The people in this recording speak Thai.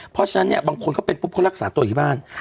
เพราะฉะนั้นบางคนเขาเป็นรักษาตัวอยู่บ้าน